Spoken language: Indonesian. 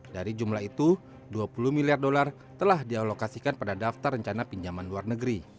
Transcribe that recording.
dari jumlah itu dua puluh miliar dolar telah dialokasikan pada daftar rencana pinjaman luar negeri